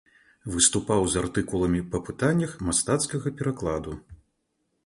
Выступаў з артыкуламі па пытаннях мастацкага перакладу.